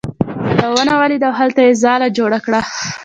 هغه یوه ونه ولیده او هلته یې ځاله جوړه کړه.